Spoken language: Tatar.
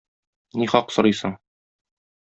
Ни хак сорыйсың?